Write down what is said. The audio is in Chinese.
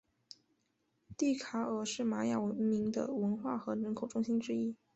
蒂卡尔是玛雅文明的文化和人口中心之一。